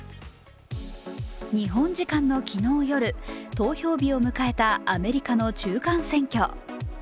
日本時間の昨日夜、投票日を迎えたアメリカの中間選挙。